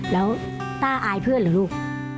แล้วต้าอายเพื่อนเหรอลูก